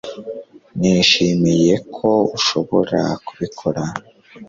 Nishimiye ko ushobora kubikora